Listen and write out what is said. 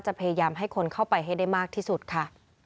พยายามให้คนเข้าไปให้ได้มากที่สุดค่ะ